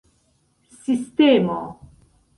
sistemo